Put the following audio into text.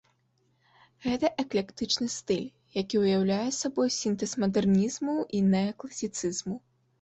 Гэта эклектычны стыль, які ўяўляе сабой сінтэз мадэрнізму і неакласіцызму.